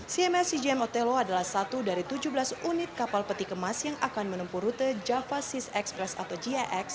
cmscgm otelo adalah satu dari tujuh belas unit kapal peti kemas yang akan menempuh rute java seas express atau gix